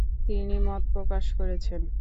তিনি মত প্রকাশ করেছেন।